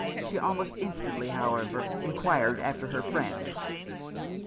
She almost instantly, however, enquired after her friends.